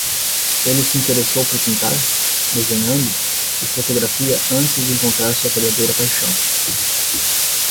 Ele se interessou por pintar? desenhando? e fotografia antes de encontrar sua verdadeira paixão.